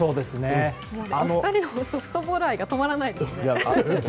２人のソフトボール愛止まらないですね。